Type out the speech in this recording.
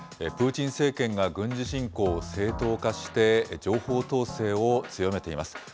プーチン政権が軍事侵攻を正当化して、情報統制を強めています。